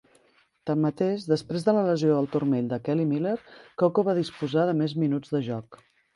Tanmateix, després de la lesió al turmell de Kelly Miller, Coco va disposar de més minuts de joc.